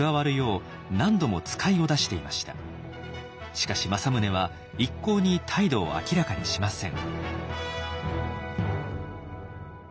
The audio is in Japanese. しかし政宗は一向に態度を明らかにしません。